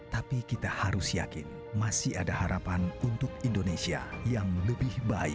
tapi kita harus yakin masih ada harapan untuk indonesia yang lebih baik